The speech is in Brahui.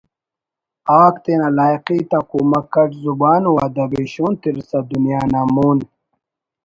آک تینا لائخی تا کمک اٹ زبان و ادب ءِ شون ترسا دنیا نا مون